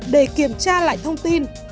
để kiểm tra lại thông tin